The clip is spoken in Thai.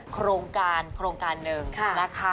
โครงการโครงการหนึ่งนะคะ